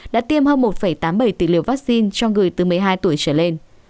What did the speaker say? đã tiêm hơn một tám mươi bảy tỷ liều vaccine cho người từ một mươi hai tuổi trở lên